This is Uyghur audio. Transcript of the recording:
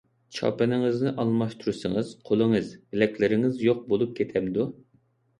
چاپىنىڭىزنى ئالماشتۇرسىڭىز، قولىڭىز، بىلەكلىرىڭىز يوق بولۇپ كېتەمدۇ؟